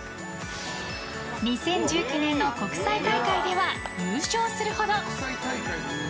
２０１９年の国際大会では優勝するほど。